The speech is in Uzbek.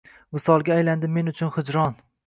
Visolga aylandi men uchun hijron